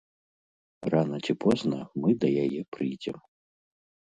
Рана ці позна мы да яе прыйдзем.